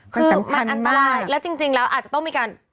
คือมันอันตรายแล้วจริงแล้วอาจจะต้องมีการ